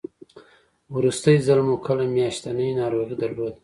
وروستی ځل مو کله میاشتنۍ ناروغي درلوده؟